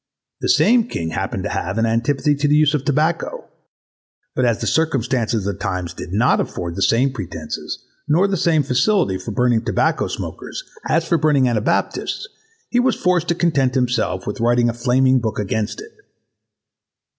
The same king happened to have, an antipathy to the use of tobacco. But as the circumstances of the times did not afford the same pretences nor the same facility for burning tobacco smokers as for burning Anabaptists, he was forced to content himself with writing a flaming book against it.